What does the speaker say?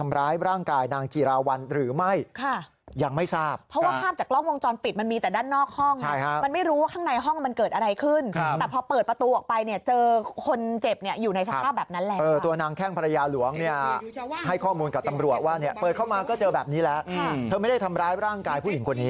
ทำร้ายร่างกายนางจีราวัลหรือไม่ค่ะยังไม่ทราบเพราะว่าภาพจากกล้องวงจรปิดมันมีแต่ด้านนอกห้องใช่ฮะมันไม่รู้ว่าข้างในห้องมันเกิดอะไรขึ้นแต่พอเปิดประตูออกไปเนี่ยเจอคนเจ็บเนี่ยอยู่ในสภาพแบบนั้นแล้วตัวนางแข้งภรรยาหลวงเนี่ยให้ข้อมูลกับตำรวจว่าเนี่ยเปิดเข้ามาก็เจอแบบนี้แล้วเธอไม่ได้ทำร้ายร่างกายผู้หญิงคนนี้